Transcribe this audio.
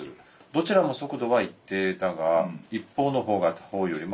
どちらも速度は一定だが一方の方が他方よりも速い。